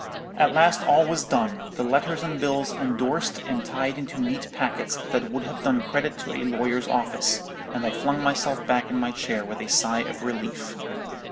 At last all was done, the letters and bills endorsed and tied into neat packets that would have done credit to a lawyer's office; and I flung myself back in my chair with a sigh of relief.